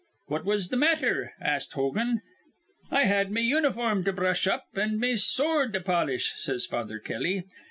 'What was th' matther?' ast Hogan. 'I had me uniform to brush up an' me soord to polish,' says Father Kelly.